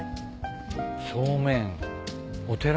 正面お寺だ。